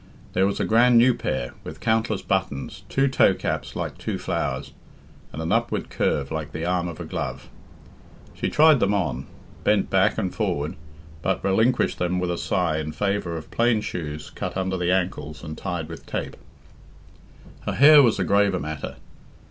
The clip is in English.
There was a grand new pair, with countless buttons, two toecaps like two flowers, and an upward curve like the arm of a glove. She tried them on, bent back and forward, but relinquished them with a sigh in favour of plain shoes cut under the ankles and tied with tape. Her hair was a graver matter.